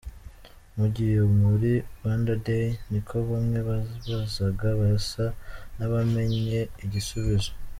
Mugiye muri “Rwanda Day?” Niko bamwe bababazaga, basa n’abamenye igisubizo.